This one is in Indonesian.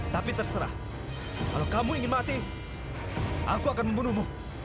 terima kasih ku kholy